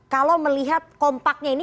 kalau melihat kompaknya ini